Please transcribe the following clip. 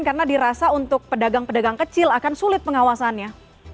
karena dirasa untuk pedagang pedagang kecil akan sulit pengawasannya